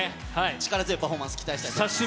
力強いパフォーマンス、期待したいと思います。